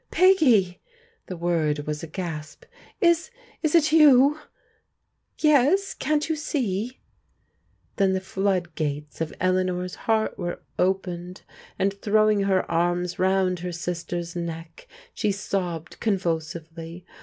" Peggy I " the word was a gasp. " Is — ^is it youf "" Yes !— can't you see ?" Then the flood gates of Eleanor's heart were opened, and throwing her arms round her sister's neck she sobbed convulsively.